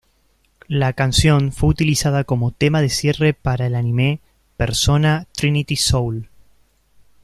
La canción fue utilizada como tema de cierre para el anime "Persona: Trinity Soul".